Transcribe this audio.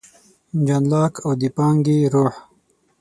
جان لاک او د پانګې روح